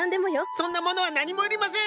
そんなものは何も要りません！